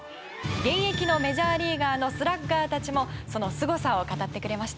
現役のメジャーリーガーのスラッガーたちもそのすごさを語ってくれました。